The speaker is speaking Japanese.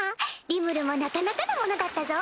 リムルもなかなかのものだったぞ。